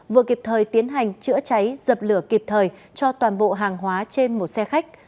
vừa kịp thời tiến hành chữa cháy dập lửa kịp thời cho toàn bộ hàng hóa trên một xe khách